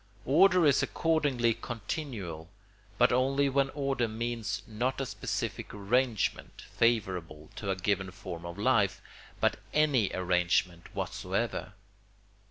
Order is accordingly continual; but only when order means not a specific arrangement, favourable to a given form of life, but any arrangement whatsoever.